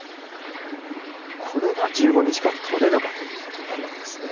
これが１５日間取れればということですね。